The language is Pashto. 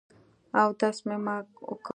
اودس مې وکړ.